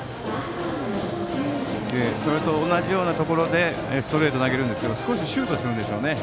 それと同じようなところでストレートを投げますが少しシュートするんでしょうね。